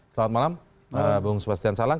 selamat malam bung sebastian salang